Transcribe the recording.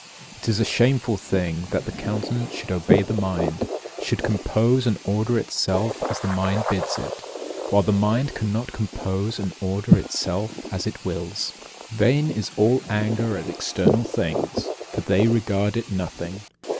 37. It is a shameful thing that the countenance should obey the mind, should compose and order itself as the mind bids it, while the mind cannot compose and order itself as it wills. 38. Vain is all anger at external things For they regard it nothing.